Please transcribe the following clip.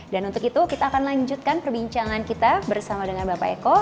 dan untuk itu kita akan lanjutkan perbincangan kita bersama dengan bapak eko